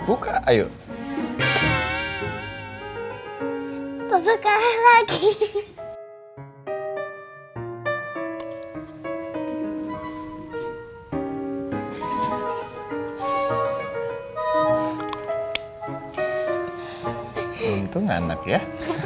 untung anak ya